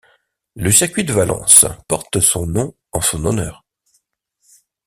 Le circuit de Valence porte son nom en son honneur.